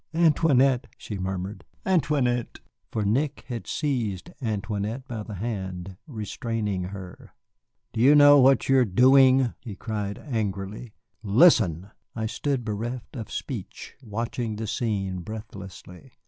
"Antoinette," she murmured, "Antoinette!" For Nick had seized Antoinette by the hand, restraining her. "You do not know what you are doing?" he cried angrily. "Listen!" I had stood bereft of speech, watching the scene breathlessly.